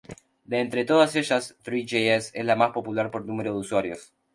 De entre todas ellas, Three.js es la más popular por número de usuarios.